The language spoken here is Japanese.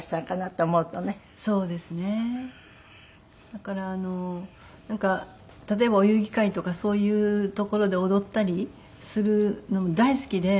だからあの例えばお遊戯会とかそういうところで踊ったりするのも大好きで。